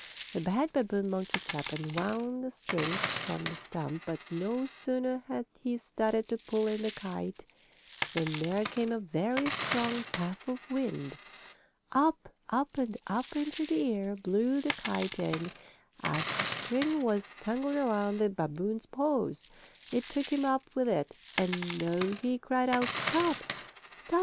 The bad babboon monkey chap unwound the string from the stump, but no sooner had he started to pull in the kite than there came a very strong puff of wind. Up, up and up into the air blew the kite and, as the string was tangled around the babboon's paws, it took him up with it, and though he cried out: "Stop! Stop!